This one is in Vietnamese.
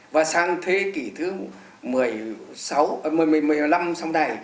và sang thế kỷ thứ một mươi năm sau này